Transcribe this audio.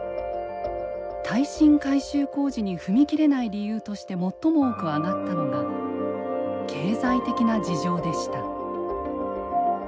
耐震改修工事に踏み切れない理由として最も多く挙がったのが経済的な事情でした。